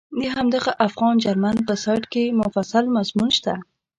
د همدغه افغان جرمن په سایټ کې مفصل مضمون شته.